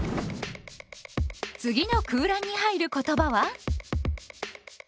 次の空欄に入る言葉は？